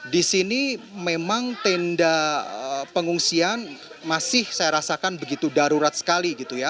di sini memang tenda pengungsian masih saya rasakan begitu darurat sekali gitu ya